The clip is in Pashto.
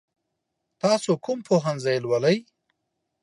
تاسو کوم پوهنځی لولئ؟